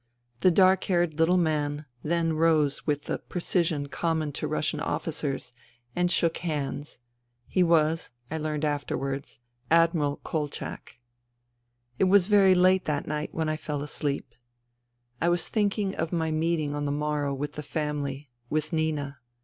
The dark haired little man then rose with the precision common to Russian officers, and shook hands. He was, I learnt afterwards. Admiral Kolchak. It was very late that night when I fell asleep. I was thinking of my meeting on the morrow with the family, with Nina.